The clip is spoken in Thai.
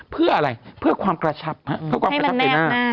เพื่ออะไรเพื่อความกระชับเพื่อความกระชับในหน้า